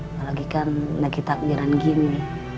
apalagi kan lagi takbiran gini